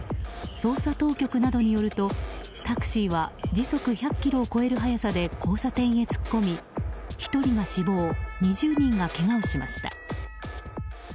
捜査当局などによるとタクシーは時速１００キロを超える速さで交差点へ突っ込み１人が死亡２０人がけがをしました。